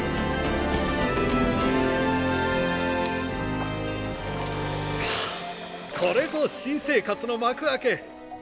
あこれぞ新生活の幕開け。